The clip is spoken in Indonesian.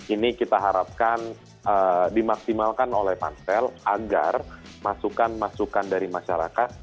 ini kita harapkan dimaksimalkan oleh pansel agar masukan masukan dari masyarakat